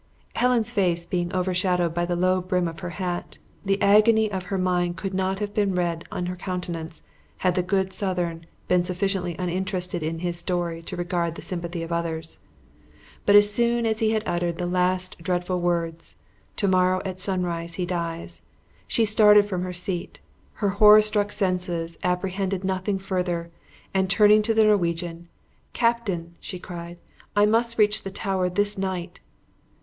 Helen's face being overshadowed by the low brim of her hat, the agony of her mind could not have been read in her countenance had the good Southron been sufficiently uninterested in his story to regard the sympathy of others; but as soon as he had uttered the last dreadful words, "To morrow at sunrise he dies!" she started from her seat; her horror struck senses apprehended nothing further, and turning to the Norwegian, "Captain," cried she, "I must reach the Tower this night!"